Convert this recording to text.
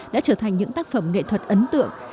đã trở thành những tác phẩm nghệ thuật ấn tượng